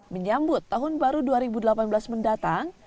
menyambut tahun baru dua ribu delapan belas mendatang